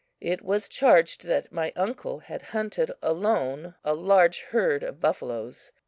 It was charged that my uncle had hunted alone a large herd of buffaloes.